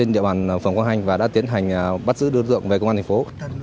điện bàn phòng công hành và đã tiến hành bắt giữ đối tượng về công an thành phố